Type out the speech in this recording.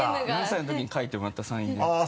７歳の時に書いてもらったサインで。